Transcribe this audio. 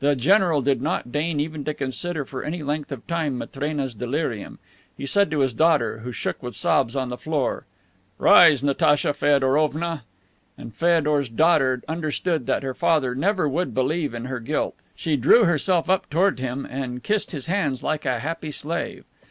The general did not deign even to consider for any length of time Matrena's delirium. He said to his daughter, who shook with sobs on the floor, "Rise, Natacha Feodorovna." And Feodor's daughter understood that her father never would believe in her guilt. She drew herself up towards him and kissed his hands like a happy slave.